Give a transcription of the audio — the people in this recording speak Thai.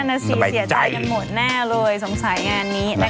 นั่นนะสิเสียใจกันหมดแน่เลย